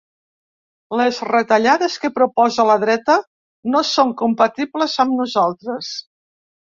Les retallades que proposa la dreta no són compatibles amb nosaltres.